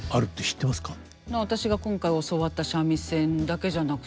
私が今回教わった三味線だけじゃなくて。